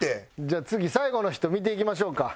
じゃあ次最後の人見ていきましょうか。